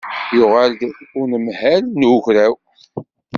Yuɣal-d unedbal n ugraw.